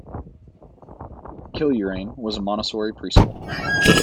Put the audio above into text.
Kilruane has a Montessori pre-school.